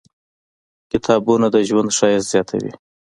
• کتابونه، د ژوند ښایست زیاتوي.